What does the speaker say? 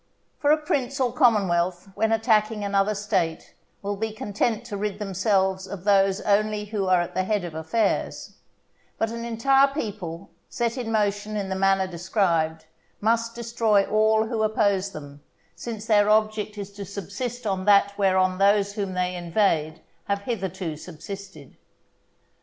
For a prince or commonwealth, when attacking another State, will be content to rid themselves of those only who are at the head of affairs; but an entire people, set in motion in the manner described, must destroy all who oppose them, since their object is to subsist on that whereon those whom they invade have hitherto subsisted.